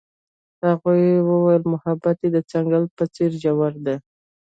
هغې وویل محبت یې د ځنګل په څېر ژور دی.